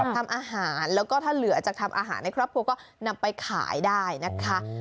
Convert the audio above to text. ทำอาหารแล้วก็ถ้าเหลือจากทำอาหารในครอบครัวก็นำไปขายได้นะคะ